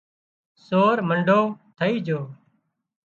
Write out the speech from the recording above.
سور منڍو ٿئي جھو